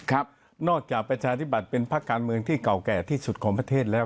ครับนอกจากประชาธิบัติเป็นภาคการเมืองที่เก่าแก่ที่สุดของประเทศแล้ว